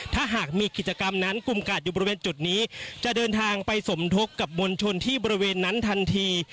ถ้าหากมีกิจกรรมนั้นกลุ่มกาดอยู่บริเวณจุดนี้จะเดินทางไปสมทบกับมวลชนที่บริเวณนั้นทันที